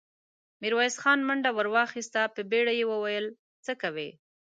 ميرويس خان منډه ور واخيسته، په بيړه يې وويل: څه کوئ!